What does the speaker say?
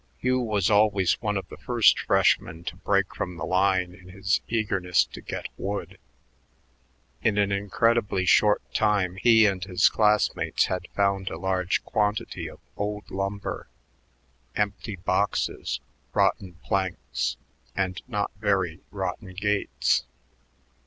Hugh was always one of the first freshmen to break from the line in his eagerness to get wood. In an incredibly short time he and his classmates had found a large quantity of old lumber, empty boxes, rotten planks, and not very rotten gates.